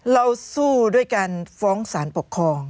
เราสู้ด้วยการฟ้องสารปกครอง